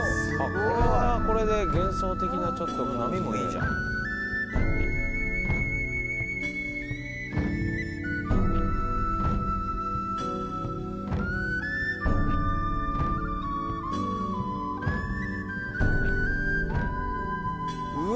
これはこれで幻想的なちょっと波もいいじゃんうわ